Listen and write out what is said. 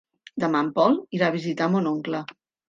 Demà en Pol irà a visitar mon oncle.